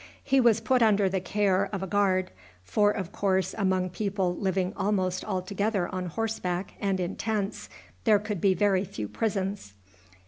He was put under the care of a guard; for, of course, among people living almost altogether on horseback and in tents, there could be very few prisons.